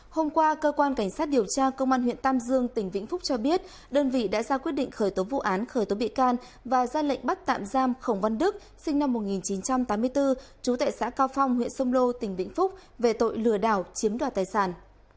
hôm qua cơ quan cảnh sát điều tra công an huyện tam dương tỉnh vĩnh phúc cho biết đơn vị đã ra quyết định khởi tố vụ án khởi tố bị can và ra lệnh bắt tạm giam khổng văn đức sinh năm một nghìn chín trăm tám mươi bốn trú tại xã cao phong huyện sông lô tỉnh vĩnh phúc về tội lừa đảo chiếm đoạt tài sản